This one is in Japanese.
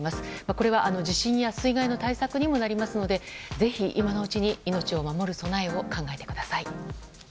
これは地震や水害の対策にもなりますのでぜひ今のうちに命を守る備えを考えてください。